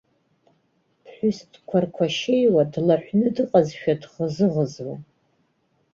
Ԥҳәыск дқәарқәашьеиуа, длаҳәны дыҟазшәа дӷызы-ӷызуан.